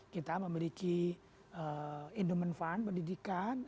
kita memiliki indoman fund pendidikan